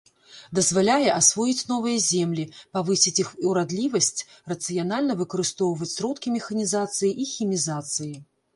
Дазваляе асвоіць новыя землі, павысіць іх урадлівасць, рацыянальна выкарыстоўваць сродкі механізацыі і хімізацыі.